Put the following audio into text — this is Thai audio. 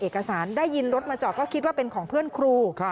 ก็เป็นของเพื่อนครู